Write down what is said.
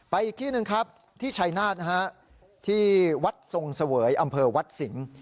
อีกที่หนึ่งครับที่ชัยนาฏที่วัดทรงเสวยอำเภอวัดสิงศ์